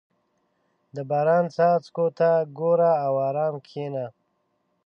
• د باران څاڅکو ته ګوره او ارام کښېنه.